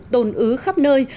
tồn ứ khắp nơi